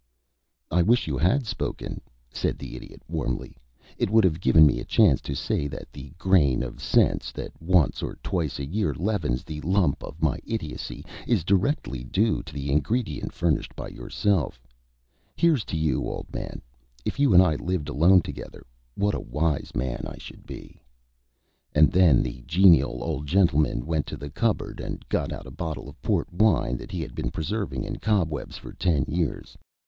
"I wish you had spoken," said the Idiot, warmly. "It would have given me a chance to say that the grain of sense that once or twice a year leavens the lump of my idiocy is directly due to the ingredient furnished by yourself. Here's to you, old man. If you and I lived alone together, what a wise man I should be!" And then the genial old gentleman went to the cupboard and got out a bottle of port wine that he had been preserving in cobwebs for ten years.